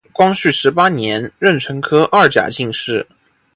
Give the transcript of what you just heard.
光绪十八年壬辰科二甲进士。